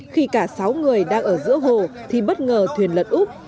khi cả sáu người đang ở giữa hồ thì bất ngờ thuyền lật úp